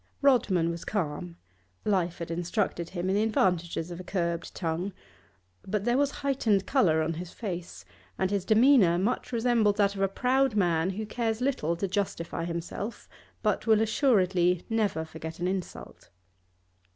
Rodman was calm; life had instructed him in the advantages of a curbed tongue; but there was heightened colour on his face, and his demeanour much resembled that of a proud man who cares little to justify himself, but will assuredly never forget an insult.